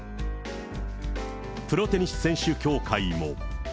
プロテニス選手協会も。